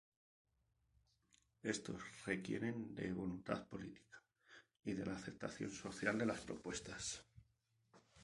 Estos requieren de voluntad política y de la aceptación social de las propuestas.